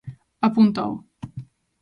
Apúntao.